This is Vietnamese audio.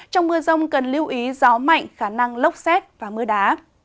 trong mưa rông cần lưu ý gió mạnh khả năng lốc xét và mưa đá